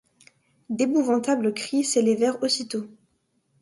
D’épouvantables cris s’élevèrent aussitôt.